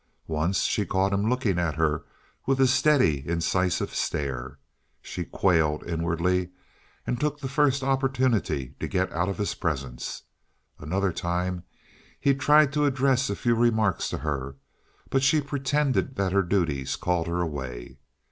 Once she caught him looking at her with a steady, incisive stare. She quailed inwardly, and took the first opportunity to get out of his presence. Another time he tried to address a few remarks to her, but she pretended that her duties called her away.